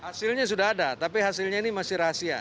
hasilnya sudah ada tapi hasilnya ini masih rahasia